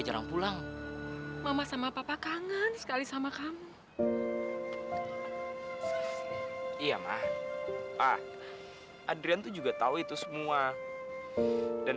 tapi adrian tuh punya satu keinginan